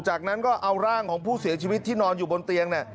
จากนั้นก็เอาร่างของผู้เสียชีวิตที่นอนอยู่บนเตียง